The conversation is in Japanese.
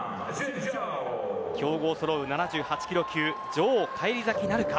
強豪そろう７８キロ級女王へ返り咲きなるか。